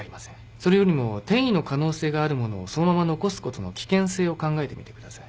それよりも転移の可能性があるものをそのまま残すことの危険性を考えてみてください。